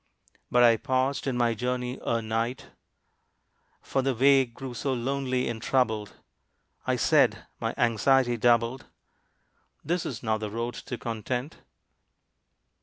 But I paused in my journey ere night, For the way grew so lonely and troubled; I said my anxiety doubled "This is not the road to Content."